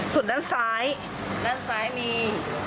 ส่วนด้านซ้ายด้านซ้ายมี